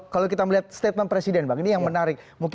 kalau kita melihat statement presiden bang ini yang menarik